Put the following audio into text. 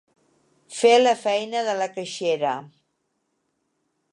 Fer la feina de la caixera.